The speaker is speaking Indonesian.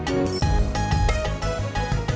bewusst bahwa penduduk mereka